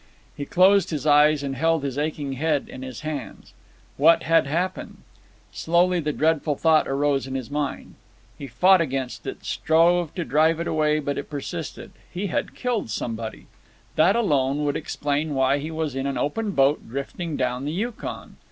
He closed his eyes and held his aching head in his hands. What had happened? Slowly the dreadful thought arose in his mind. He fought against it, strove to drive it away, but it persisted: he had killed somebody. That alone could explain why he was in an open boat drifting down the Yukon.